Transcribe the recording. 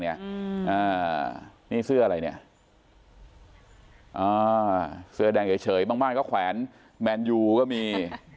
นี่เสื้ออะไรเสื้อแดงเฉยแค้นแมนยูก็มี